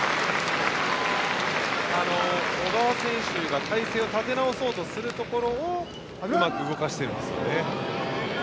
小川選手が体勢を立て直そうとするところをうまく動かしていますね。